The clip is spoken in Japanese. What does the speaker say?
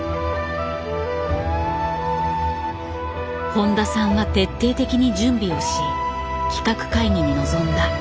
誉田さんは徹底的に準備をし企画会議に臨んだ。